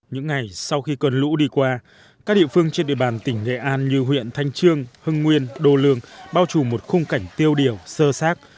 những ngày sau khi cơn lũ đi qua các địa phương trên địa bàn tỉnh nghệ an như huyện thanh trương hưng nguyên đô lương bao trù một khung cảnh tiêu điều sơ sát